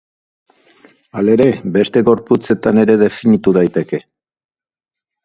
Halere, beste gorputzetan ere definitu daiteke.